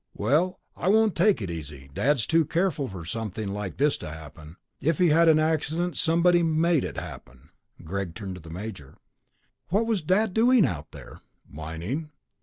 "Well, I won't take it easy. Dad was too careful for something like that to happen. If he had an accident, somebody made it happen." Greg turned to the major. "What was Dad doing out there?" "Mining."